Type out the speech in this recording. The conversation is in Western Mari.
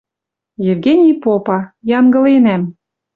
Евгений попа: «Янгыленӓм».